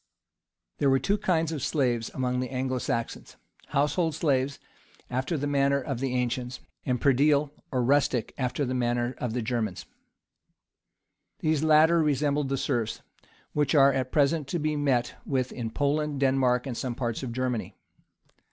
There were two kinds of slaves among the Anglo Saxons; household slaves, after the manner of the ancients, and praedial, or rustic, after the manner of the Germans.[] These latter resembled the serfs, which are at present to be met with in Poland, Denmark, and some parts of Germany.